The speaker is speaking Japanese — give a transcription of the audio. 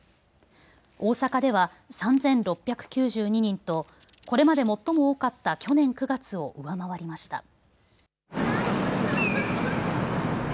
大阪では３６９２人とこれまで最も多かった去年９月を上回りました。